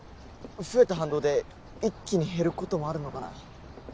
増えた反動で一気に減ることもあるのかな。